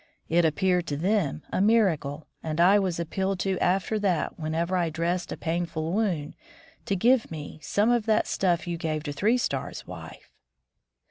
It appeared to them a miracle, and I was appealed to after that whenever I dressed a painful wound, to "give me some of that stuff you gave to Three Stars' wife."